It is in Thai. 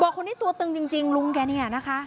คนนี้ตัวตึงจริงลุงแกเนี่ยนะคะ